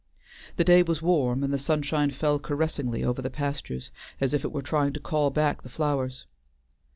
The day was warm and the sunshine fell caressingly over the pastures as if it were trying to call back the flowers.